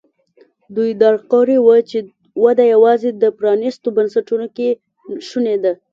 دوی درک کړې وه چې وده یوازې د پرانیستو بنسټونو کې شونې ده.